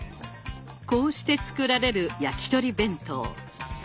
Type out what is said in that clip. こうして作られる焼き鳥弁当。